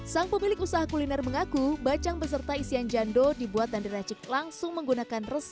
sang pemilik usaha kuliner mengaku bacang beserta isian jando dibuat dan diracik langsung menggunakan resep